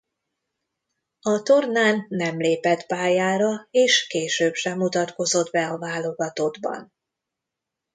A tornán nem lépett pályára és később sem mutatkozott be a válogatottban.